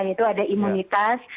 yaitu ada imunitas